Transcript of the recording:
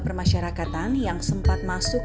permasyarakatan yang sempat masuk